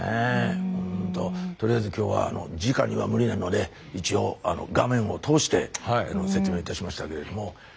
とりあえず今日はじかには無理なので一応画面を通して説明いたしましたけれども。